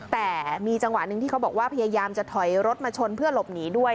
แต่มีจังหวะหนึ่งที่เขาบอกว่าพยายามจะถอยรถมาชนเพื่อหลบหนีด้วย